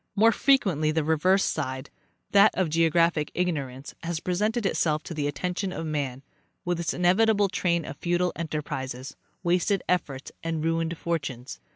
More frequently the reverse side, that of geographic ignorance, has presented itself to the attention of man, with its inevitable train of futile enterprises, wasted efforts and ruined fortunes.